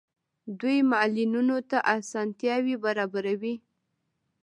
دوی معلولینو ته اسانتیاوې برابروي.